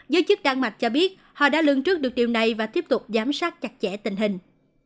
giới chức đan mạch cho biết họ đã lương trước được điều này và tiếp tục giám sát chặt chẽ tình hình